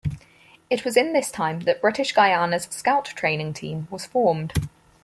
It was in this time that British Guiana's Scout Training Team was formed.